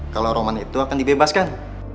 kalau roman itu akan dibebaskan